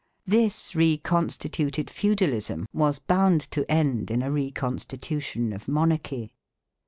This reconstituted feudalism was bound to end in a reconstitution of monarchy.